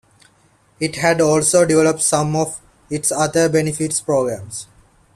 It had also developed some of its other benefits programs.